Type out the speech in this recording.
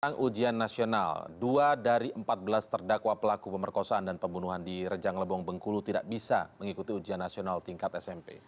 selama ujian nasional dua dari empat belas terdakwa pelaku pemerkosaan dan pembunuhan di rejang lebong bengkulu tidak bisa mengikuti ujian nasional tingkat smp